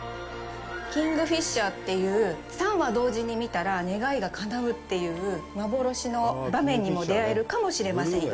キングフィッシャーっていう３羽同時に見たら願いがかなうっていう幻の場面にも出会えるかもしれませんよ。